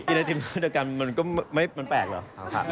กินสนับสนุนกันมันก็มันแปลกรึเปล่า